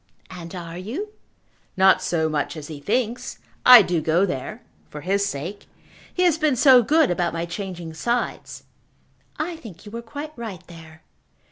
"And are you?" "Not so much as he thinks. I do go there, for his sake. He has been so good about my changing sides." "I think you were quite right there."